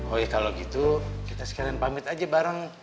oh ya kalau gitu kita sekalian pamit aja bareng